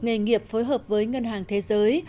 nghề nghiệp phối hợp với ngân hàng thế giới